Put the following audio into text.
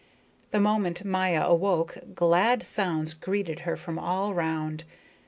The moment Maya awoke, glad sounds greeted her from all round.